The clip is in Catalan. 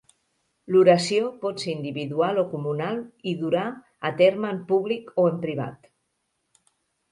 L'oració pot ser individual o comunal i durà a terme en públic o en privat.